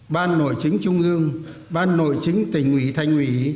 ban nội chính trung ương ban nội chính tỉnh ủy thành ủy